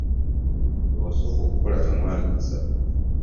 Bye wasooka okukola temwali nsa.